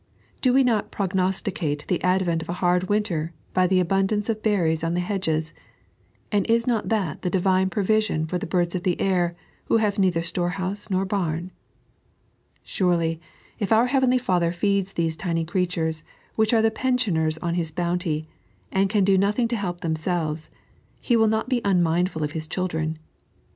Do we not prognosticate the advent of a hard winter by the abundance of berries on the hedges, and ia not that the Divine provision for the birds of the air, who have neither storehouse nor bam t Surely, if our heavenly Father feeds these tiny creatures, which are the penmonerB on His bounty, and can do nothing to help themselves, He will not be unmindful of His ehildren